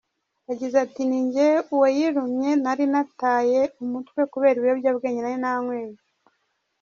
Yagize ati “Ninjye wayirumye, nari nataye umutwe kubera ibiyobyabwenge nari nanyoye.